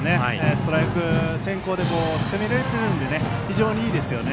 ストライク先行で攻めれているので非常にいいですね。